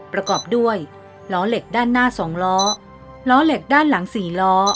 ประกอบด้วยล้อเหล็กด้านหน้า๒ล้อล้อเหล็กด้านหลัง๔ล้อ